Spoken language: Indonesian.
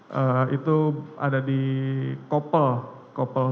kebot itu ada di koppel